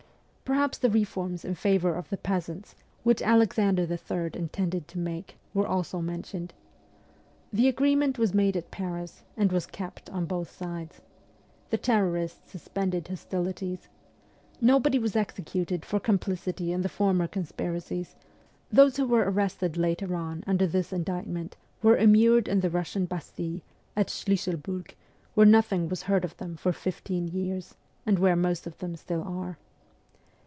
Perhaps the reforms in favour of the peasants, which Alexander III. intended to make, were also mentioned. The agreement was made at Paris, and was kept on both sides. The terrorists suspended hostilities. Nobody was executed for complicity in the former conspiracies ; those who were arrested later on under this indictment were immured in the Kussian Bastille at Schliisselburg, where nothing was heard of them for fifteen years, and where most of them still are.